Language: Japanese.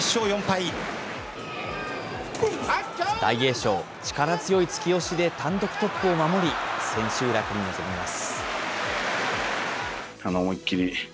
大栄翔、力強い突き押しで単独トップを守り、千秋楽に臨みます。